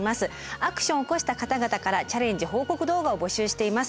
アクションを起こした方々からチャレンジ報告動画を募集しています。